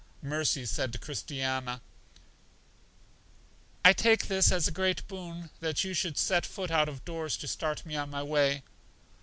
Mercy, said Christiana, I take this as a great boon that you should set foot out of doors to start me on my way.